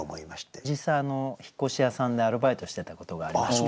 実際引越し屋さんでアルバイトしてたことがありまして。